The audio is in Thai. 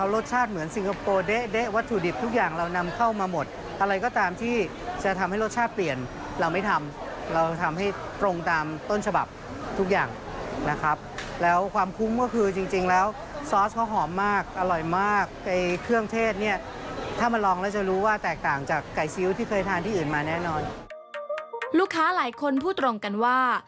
ลูกค้าหลายคนพูดตรงกันว่า